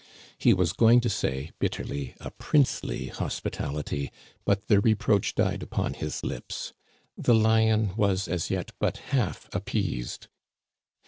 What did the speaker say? He was going to say bitterly a princely hospitality, but the reproach died upon his lips. The lion was as yet but half appeased.